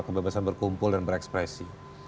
kebebasan berkumpul dan berekspresi